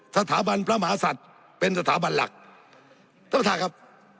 สถาบันพระมหาศัตริย์เป็นสถาบันหลักท่านประธานครับ